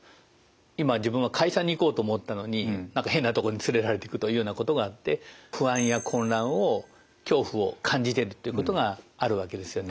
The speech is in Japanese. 今自分は会社に行こうと思ったのに何か変なとこに連れられていくというようなことがあって不安や混乱を恐怖を感じてるってことがあるわけですよね。